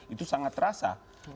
itu sangat terasa